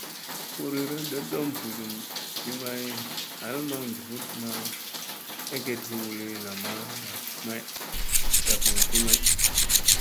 Furira ndoɗom vudum ti may, ɦal maŋ njuvut ma eget huu lii namana may, dafun ti may.